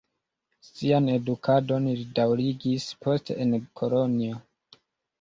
Sian edukadon li daŭrigis poste en Kolonjo.